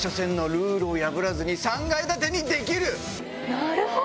なるほど！